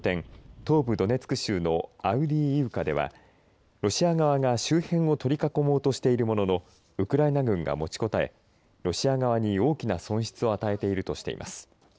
東部ドネツク州のアウディーイウカではロシア側が周辺を取り囲もうとしているもののウクライナ軍が持ちこたえロシア側に大きな損失を与えているとしています。